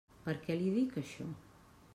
Per què li dic això?